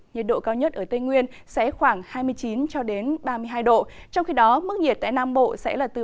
nhiệt độ cao nhất ở tây nguyên sẽ khoảng hai mươi chín ba mươi hai độ trong khi đó mức nhiệt tại nam bộ sẽ là từ ba mươi một ba mươi bốn độ